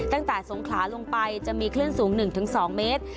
ตั้งแต่สงขลาลงไปจะมีคลื่นสูง๑๒เมตร